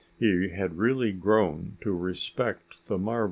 He had really grown to respect the marva.